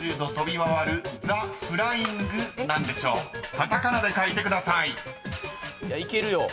［カタカナで書いてください］いけるよ。